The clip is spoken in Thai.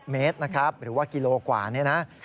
เมตรนะครับหรือว่ากิโลกว่านี่นะ